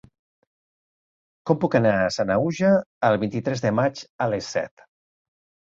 Com puc anar a Sanaüja el vint-i-tres de maig a les set?